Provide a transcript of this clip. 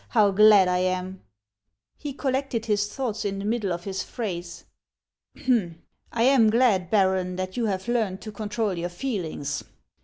how glad I am !" He collected his thoughts in the middle of his phrase. " I am glad, Baron, that you have learned to con trol your feelings.